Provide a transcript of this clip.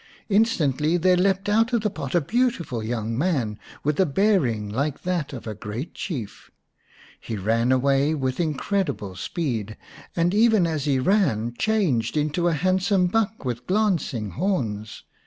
Instantly there leaped out of the pot a beautiful young man, with a bearing like that of a great Chief. He ran away with incredible speed, and even as he ran changed into a handsome buck with glancing horns.